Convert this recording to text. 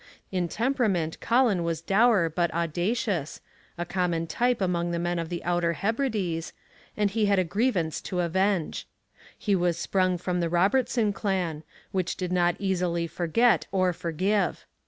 In temperament Colin was dour but audacious, a common type among the men of the Outer Hebrides, and he had a grievance to avenge. He was sprung from the Robertson clan, which did not easily forget or forgive.